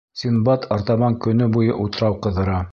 Синдбад артабан көнө буйы утрау ҡыҙыра.